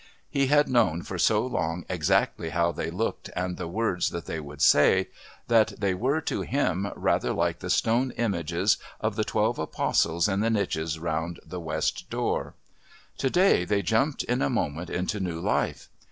He had known for so long exactly how they looked and the words that they would say, that they were, to him, rather like the stone images of the Twelve Apostles in the niches round the West Door. Today they jumped in a moment into new life.